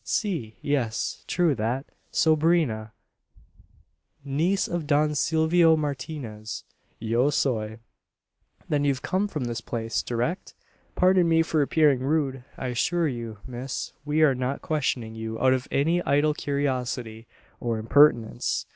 "Si yes true that. Sobrina niece of Don Silvio Martinez. Yo soy." "Then you've come from his place, direct? Pardon me for appearing rude. I assure you, miss, we are not questioning you out of any idle curiosity, or impertinence.